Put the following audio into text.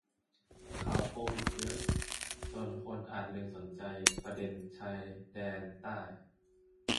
ข่าวโควิดเยอะจนคนอาจลืมสนใจประเด็นชายแดนใต้